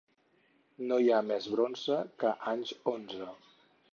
No hi ha més bronze que anys onze.